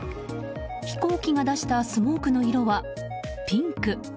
飛行機が出したスモークの色はピンク。